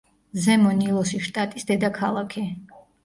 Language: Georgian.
ზემო ნილოსის შტატის დედაქალაქი.